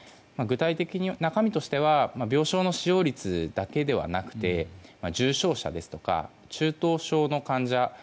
具体的な中身としては病床の使用率だけではなくて重症者ですとか、中等症の患者。